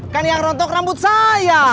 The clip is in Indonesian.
kan yang rontok rambut saya